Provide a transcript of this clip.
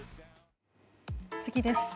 次です。